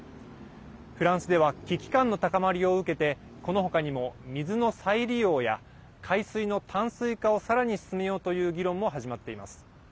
フランスでは危機感の高まりを受けてこの他にも水の再利用や海水の淡水化をさらに進めようという議論も始まっています。